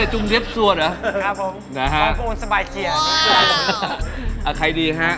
ก็จะจุ่มเล็บสวดเหรอครับผมฝากคุณสบายเจียเอาใครดีฮะ